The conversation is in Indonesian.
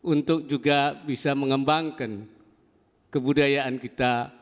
untuk juga bisa mengembangkan kebudayaan kita